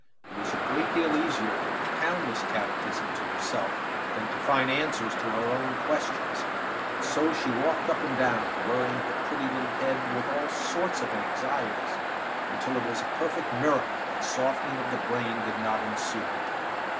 It was a great deal easier to propound this catechism to herself than to find answers to her own questions; and so she walked up and down, worrying her pretty little head with all sorts of anxieties, until it was a perfect miracle that softening of the brain did not ensue.